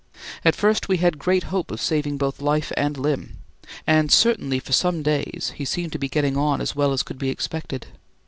At first we had great hope of saving both life and limb, and certainly for some days he seemed to be getting on as well as could be expected.